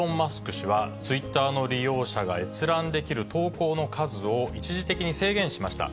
氏は、ツイッターの利用者が閲覧できる投稿の数を一時的に制限しました。